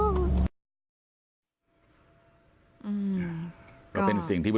หนูจะให้เขาเซอร์ไพรส์ว่าหนูเก่ง